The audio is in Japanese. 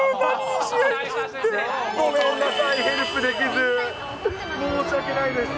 申し訳ないです。